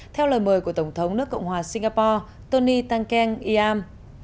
theo lời mời của tổng thống nước cộng hòa singapore tony tangkeng iam